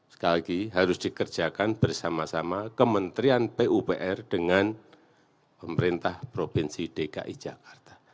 sekali lagi harus dikerjakan bersama sama kementerian pupr dengan pemerintah provinsi dki jakarta